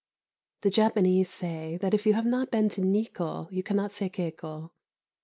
The Japanese say that if you have not been to Nikko you cannot say kekko.